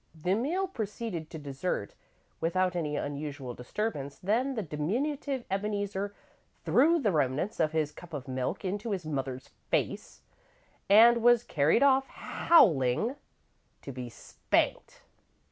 The meal proceeded to dessert without any unusual disturbance, then the diminutive Ebeneezer threw the remnants of his cup of milk into his mother's face, and was carried off, howling, to be spanked.